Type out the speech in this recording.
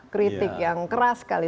kritik yang keras sekali